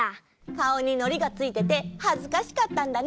かおにのりがついててはずかしかったんだね。